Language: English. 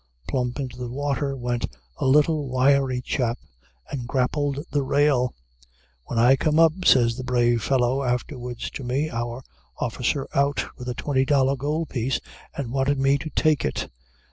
Plump into the water went a little wiry chap and grappled the rail. "When I come up," says the brave fellow afterwards to me, "our officer out with a twenty dollar gold piece and wanted me to take it.